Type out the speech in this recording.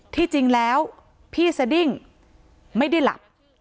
ที่จริงแล้วพี่สดิ้งไม่ได้หลับ